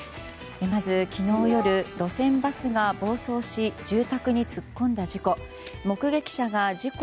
昨日夜、路線バスが暴走し住宅に突っ込んだ事故。